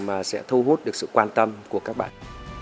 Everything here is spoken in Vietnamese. mà sẽ thu hút được sự quan tâm của các bạn